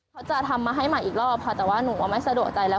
เขาจะทำมาให้ใหม่อีกรอบค่ะแต่ว่าหนูว่าไม่สะดวกใจแล้ว